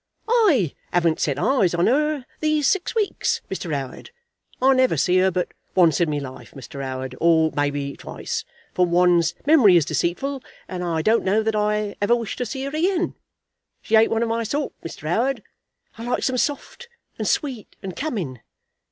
"I haven't set eyes on her these six weeks, Mr. 'Oward. I never see her but once in my life, Mr. 'Oward; or, maybe, twice, for one's memory is deceitful; and I don't know that I ever wish to see her again. She ain't one of my sort, Mr. 'Oward. I likes 'em soft, and sweet, and coming.